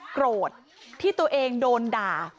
โกรธที่ตัวเองโดนด่า